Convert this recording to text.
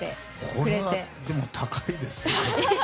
これは高いですね。